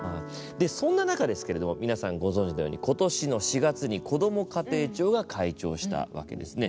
そんな中ですけれども皆さんご存じのように今年の４月に、こども家庭庁が開庁したわけですね。